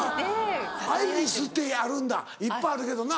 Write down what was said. アイリスってあるんだいっぱいあるけどな。